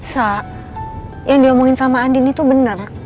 sa yang diomongin sama andini itu benar